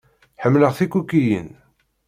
Ḥemmleɣ tikukiyin.